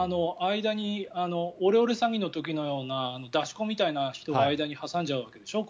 オレオレ詐欺の時のような出し子みたいな人を間に挟んじゃうわけでしょ。